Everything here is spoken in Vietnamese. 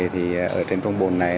thì ở trên phong bồn này